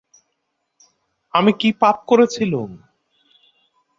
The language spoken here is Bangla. আমি কী পাপ করেছিলুম?